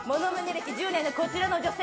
歴１０年のこちらの女性。